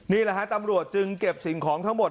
นี่แหละฮะตำรวจจึงเก็บสิ่งของทั้งหมด